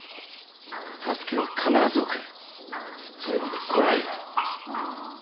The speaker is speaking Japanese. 助けは必ず送るそれまでこらえよと。